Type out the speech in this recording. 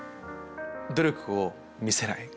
努力を見せない。